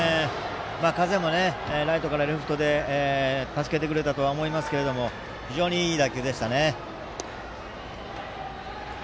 風もライトからレフトで助けてくれたとは思いますけど非常にいい打球でしたね。